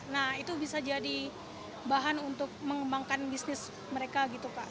nah itu bisa jadi bahan untuk mengembangkan bisnis mereka gitu pak